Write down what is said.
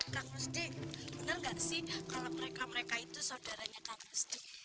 kak musdi bener ngga sih kalo mereka mereka itu saudaranya kak musdi